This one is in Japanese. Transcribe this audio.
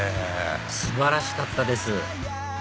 素晴らしかったです